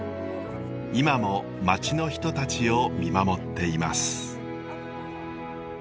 今も町の人たちを見守っています。